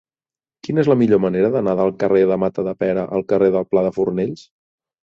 Quina és la millor manera d'anar del carrer de Matadepera al carrer del Pla de Fornells?